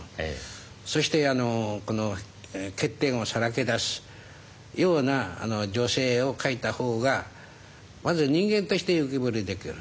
そして欠点をさらけ出すような女性を書いた方がまず人間として浮き彫りにできる。